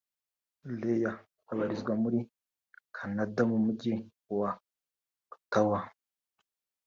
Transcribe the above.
Lily abarizwa muri Canada mu mujyi wa Ottawa